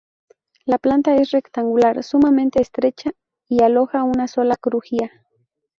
La planta es rectangular, sumamente estrecha y aloja una sola crujía.